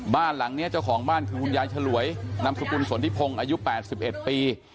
บ้านหลังเนี้ยเจ้าของบ้านคือคุณยายฉลวยนามสกุลสนทิพงอายุแปดสิบเอ็ดปี